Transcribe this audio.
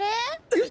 えっ！